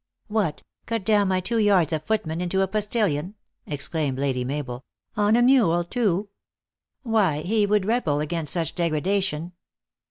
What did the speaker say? " What ! cut down my two yards of footman into a postillion ?" exclaimed Lady Mabel ;" on a mule, too! Why, he would rebel against such degradation